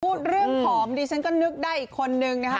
พูดเรื่องผอมดิฉันก็นึกได้อีกคนนึงนะคะ